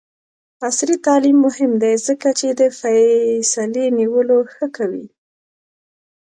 عصري تعلیم مهم دی ځکه چې د فیصلې نیولو ښه کوي.